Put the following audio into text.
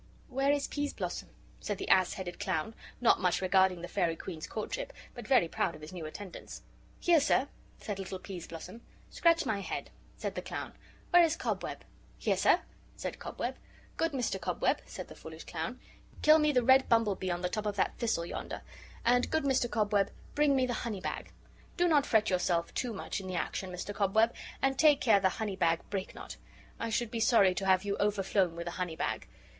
"Where is Peas blossom?" said the ass headed clown, not much regarding the fairy queen's courtship, but very proud of his new attendants. "Here, sir," said little Peas blossom. "Scratch my head," said the clown. "Where is Cobweb?" "Here, sir," said Cobweb. "Good Mr. Cobweb," said the foolish clown, "kill me the red humblebee on the top of that thistle yonder; and, good Mr. Cobweb, bring me the honey bag. Do not fret yourself too much in the action, Mr. Cobweb, and take care the honey bag break not; I should be sorry to have you overflown with a honey bag.